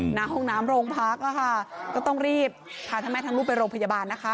หน้าห้องน้ำโรงพักอ่ะค่ะก็ต้องรีบพาทั้งแม่ทั้งลูกไปโรงพยาบาลนะคะ